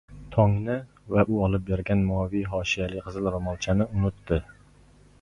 tongni va u olib bergan moviy hoshiyali qizil roʻmolchani unutdi.